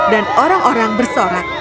dan orang orang bersorak